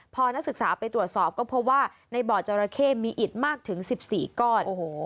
พอนักศึกษาไปตรวจสอบก็พบว่าในบ่อจราเข้มีอิดมากถึง๑๔ก้อน